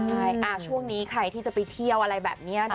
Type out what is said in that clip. ใช่ช่วงนี้ใครที่จะไปเที่ยวอะไรแบบนี้นะ